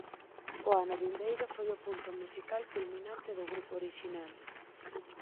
O ano vindeiro foi o punto musical culminante do grupo orixinal.